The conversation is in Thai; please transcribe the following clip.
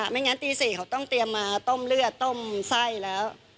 ไม่งั้นตี๔เขาต้องเตรียมมาต้มเลือดต้มไส้แล้ว